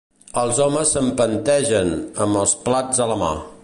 Els homes s'empentegen, amb els plats a la mà